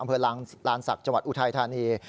อำเภอลานศักดิ์จังหวัดอุทัยธานี